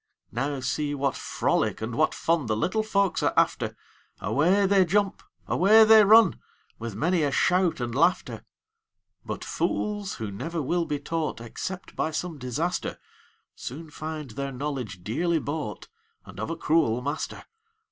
Now see what frolic and what fun, The little folks are after; Away they jump, away they run, With many a shout and laughter. But fools who never will be taught, Except by some disaster, Soon find their knowledge dearly bought, And of a cruel master.